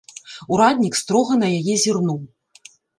Ураднік строга на яе зірнуў.